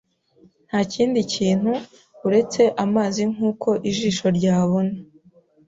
Ntakindi kintu uretse amazi nkuko ijisho ryabona